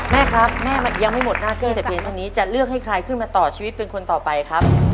แม่ครับแม่ยังไม่หมดหน้าที่แต่เพียงเท่านี้จะเลือกให้ใครขึ้นมาต่อชีวิตเป็นคนต่อไปครับ